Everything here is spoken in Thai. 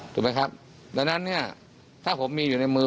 ถูกไหมครับดังนั้นเนี่ยถ้าผมมีอยู่ในมือ